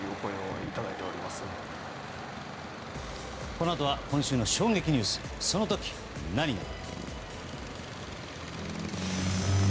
このあとは今週の衝撃ニュースその時何が。